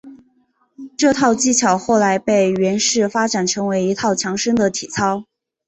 这套技巧后来被阮氏发展成为一套强身的体操。